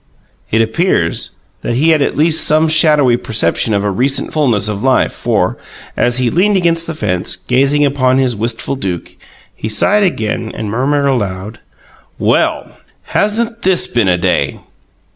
It appears that he had at least some shadowy perception of a recent fulness of life, for, as he leaned against the fence, gazing upon his wistful Duke, he sighed again and murmured aloud: "WELL, HASN'T THIS BEEN A DAY!"